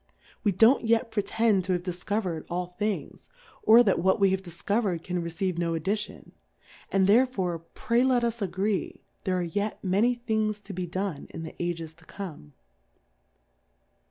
We don't yet pretend to have difcover'd ail Things, or that what we have difcover'd can receive no addition ; and therefore, pray let us agree, there are yet many Things to be done in the Ages to come.